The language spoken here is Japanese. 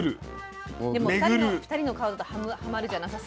でも２人の顔だとはまるじゃなさそう。